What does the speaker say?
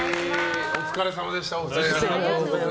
お疲れさまでした、お二人。